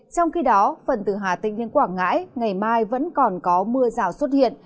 trong khi đó phần từ hà tĩnh đến quảng ngãi ngày mai vẫn còn có mưa rào xuất hiện